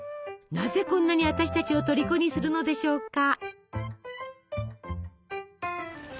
なぜこんなに私たちをとりこにするのでしょうか？